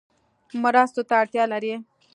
مرستو ته اړتیا لري